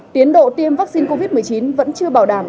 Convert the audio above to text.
tiến độ tiêm vaccine covid một mươi chín vẫn chưa bảo đảm